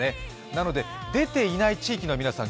なので出ていない地域の皆さん